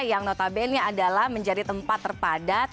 yang notabene adalah menjadi tempat terpadat